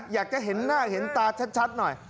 อยากจะเห็นหน้าเห็นตาชัดหน่อย